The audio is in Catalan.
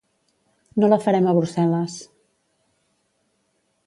No la farem a Brussel·les.